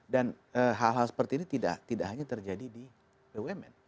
dan hal hal seperti ini tidak hanya terjadi di pwmn